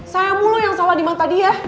sayangmu lo yang salah di mata dia